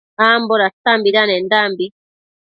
Ambo datanendanbi